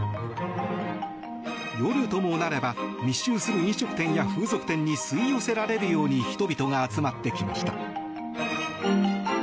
夜ともなれば密集する飲食店や風俗店に吸い寄せられるように人々が集まってきました。